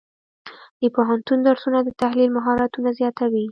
د پوهنتون درسونه د تحلیل مهارتونه زیاتوي.